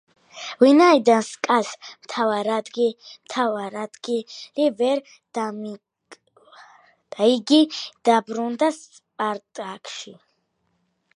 ვინაიდან „სკას“ მთავარ ადგილი ვერ დაიმკვირდა, იგი დაბრუნდა „სპარტაკში“.